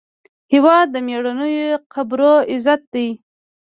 هېواد د میړنیو قبرو عزت دی.